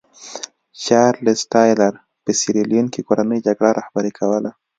چارلېز ټایلر په سیریلیون کې کورنۍ جګړه رهبري کوله.